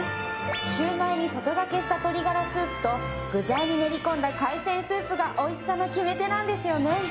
シュウマイに外がけした鶏がらスープと具材に練り込んだ海鮮スープがおいしさの決め手なんですよね。